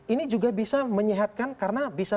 ini juga bisa menyehatkan karena bisa